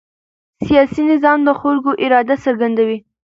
سیاسي نظام د خلکو اراده څرګندوي